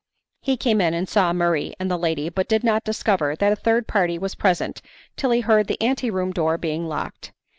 He came in and saw Murray and the lady, but did not discover that a third party was present till he heard the ante room door being locked.